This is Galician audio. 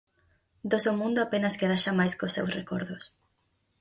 Do seu mundo apenas queda xa máis que os seus recordos.